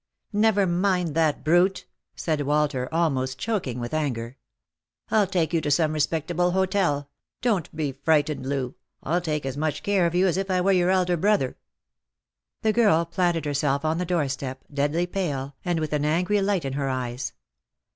" Never mind that brute," said Walter, almost choking with anger. "I'll take you to some respectable hotel. Don't be frightened, Loo. I'll take as much care of you as if I were your elder brother." The girl planted herself on the doorstep, deadly pale, and with an angry light in her eyes.